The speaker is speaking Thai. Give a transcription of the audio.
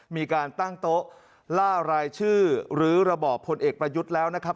มีการตั้งโต๊ะล่ารายชื่อหรือระบอบพลเอกประยุทธ์แล้วนะครับ